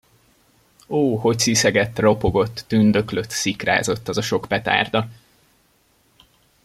Ó, hogy sziszegett, ropogott, tündöklött, szikrázott az a sok petárda!